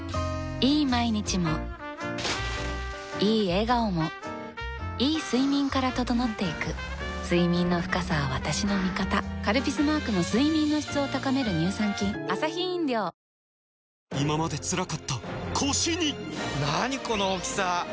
いい毎日もいい笑顔もいい睡眠から整っていく睡眠の深さは私の味方「カルピス」マークの睡眠の質を高める乳酸菌あの人ずっとひとりでいるのだみんなで一緒に食べませんか？